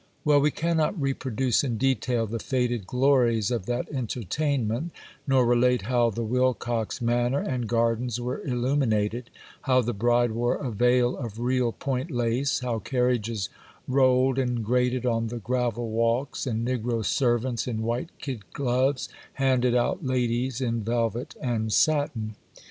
Well, we cannot reproduce in detail the faded glories of that entertainment, nor relate how the Wilcox Manor and gardens were illuminated,—how the bride wore a veil of real point lace,—how carriages rolled and grated on the gravel walks, and negro servants, in white kid gloves, handed out ladies in velvet and satin.